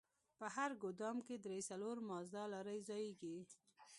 په هر ګودام کښې درې څلور مازدا لارۍ ځايېږي.